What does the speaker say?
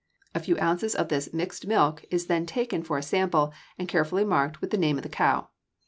A few ounces of this mixed milk is then taken for a sample, and carefully marked with the name of the cow.